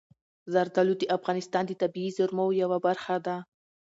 زردالو د افغانستان د طبیعي زیرمو یوه برخه ده.